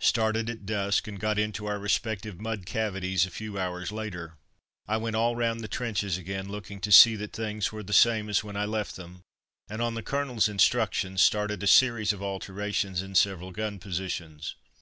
Started at dusk, and got into our respective mud cavities a few hours later. I went all round the trenches again, looking to see that things were the same as when I left them, and, on the Colonel's instructions, started a series of alterations in several gun positions.